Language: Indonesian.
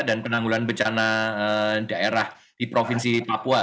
dan penanggulan becana daerah di provinsi papua